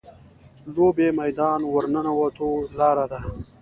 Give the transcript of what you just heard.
لوبې میدان ورننوتو لاره ده.